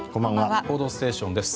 「報道ステーション」です。